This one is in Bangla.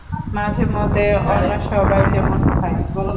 মাঝেমধ্যে, অন্য সবাই যেমন খায়।